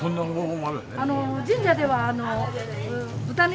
神社では豚肉とか。